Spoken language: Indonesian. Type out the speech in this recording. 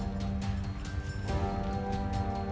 hanya kita saja berdoa di biar